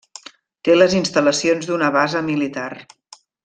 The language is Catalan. Té les instal·lacions d'una base militar.